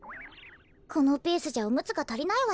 このペースじゃおむつがたりないわね。